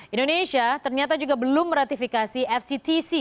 indonesia ternyata juga belum meratifikasi fctc